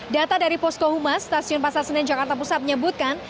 data dari posko humas stasiun pasar senen jakarta pusat menyebutkan